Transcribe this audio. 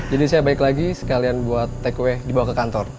jadi saya balik lagi sekalian buat takeaway dibawa ke kantor